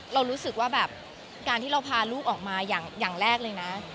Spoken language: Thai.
เรารู้สึกว่าแบบการที่เราพาลูกออกมาอย่างแรกเลยนะ